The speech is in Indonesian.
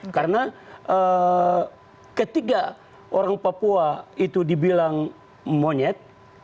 karena ketika orang papua itu dibilang monyet